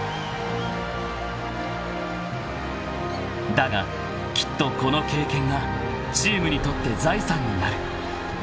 ［だがきっとこの経験がチームにとって財産になる］